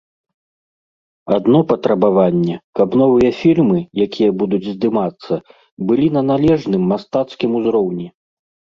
Адно патрабаванне, каб новыя фільмы, якія будуць здымацца, былі на належным мастацкім узроўні.